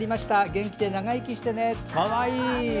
元気で長生きしてね。かわいい！